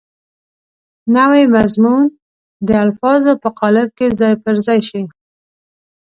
نوی مضمون د الفاظو په قالب کې ځای پر ځای شي.